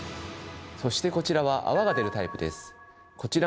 そしてこちらは泡が出るタイプです。